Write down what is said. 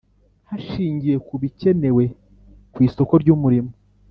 Hashingiwe ku bikenewe ku isoko ry umurimo